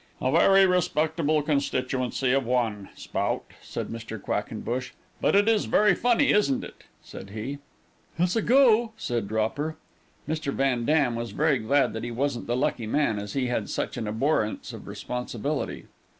"A very respectable constituency of one Spout," said Mr. Quackenbush. "But it is very funny, isn't it?" said he. "It's a go," said Dropper. Mr. Van Dam was very glad that he wasn't the lucky man, as he had such an abhorrence of responsibility.